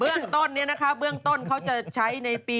เรื่องต้นนี้นะคะเบื้องต้นเขาจะใช้ในปี๒๕